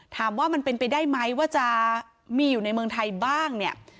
ถามว่ามันเป็นไปได้ไหมว่าจะมีอยู่ในเมืองไทยบ้างเนี่ย